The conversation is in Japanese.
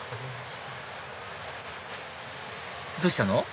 どうしたの？